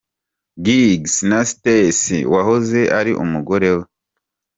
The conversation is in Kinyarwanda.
Giggs na Stacey wahoze ari umugore we .